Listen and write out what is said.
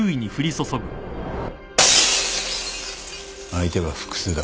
相手は複数だ。